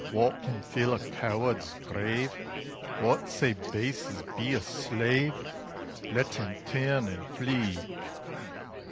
Wha can fill a coward's grave? Wha sae base as be a slave? Let him turn and flee!